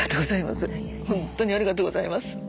ほんとにありがとうございます。